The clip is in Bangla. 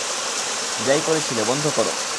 যাই করছিলে, বন্ধ করো।